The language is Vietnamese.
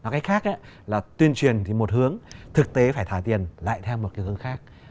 cái khác là tuyên truyền thì một hướng thực tế phải thả tiền lại theo một cái hướng khác